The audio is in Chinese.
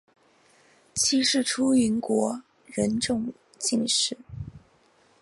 妻是出云国人众井氏。